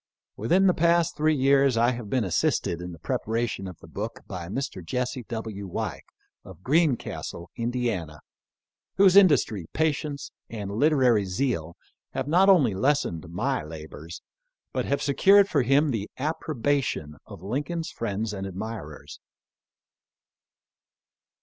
Within the past three years I have been assisted in the preparation of the book by Mr. Jesse W. Weik, of Greencastle, Ind., whose industry, patience, and literary zeal have not only lessened my labors, but have secured for him the approbation of Lincoln's friends and admirers.